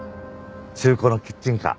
中古のキッチンカー。